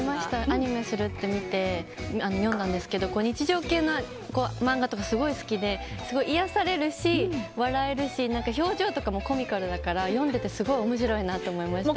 アニメするって見て呼んだんですけど日常系の漫画とかがすごく好きですごい癒やされるし、笑えるし表情とかもコミカルだから読んでてすごく面白いなと思いました。